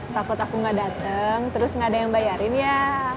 takut aku gak dateng terus gak ada yang bayarin ya